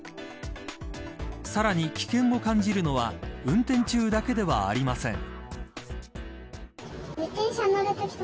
さらに危険を感じるのは運転中だけではありません。